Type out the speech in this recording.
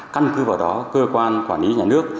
căn cứ vào đó cơ quan quản lý nhà nước